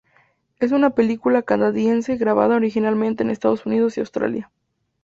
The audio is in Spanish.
Es una película Canadiense grabada originalmente en Estados Unidos y Australia.